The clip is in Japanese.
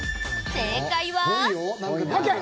正解は。